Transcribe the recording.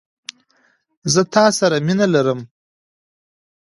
زه تاسره مینه لرم